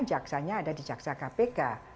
jaksanya ada di jaksa kpk